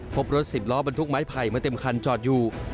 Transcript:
พบรถสิบล้อบรรทุกไม้ไผ่มาเต็มคันจอดอยู่